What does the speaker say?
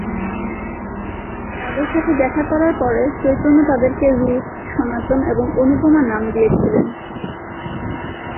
তাদের সাথে দেখা করার পরে, চৈতন্য তাদেরকে রূপ, সনাতন এবং অনুপমা নাম দিয়েছিলেন।